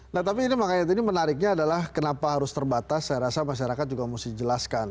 nah tapi ini makanya ini menariknya adalah kenapa harus terbatas saya rasa masyarakat juga mesti jelaskan